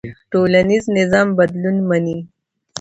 ټولنيز نظام بدلون مني.